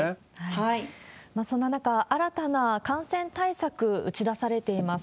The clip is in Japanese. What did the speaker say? そんな中、新たな感染対策、打ち出されています。